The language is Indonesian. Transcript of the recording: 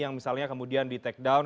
yang misalnya kemudian di take down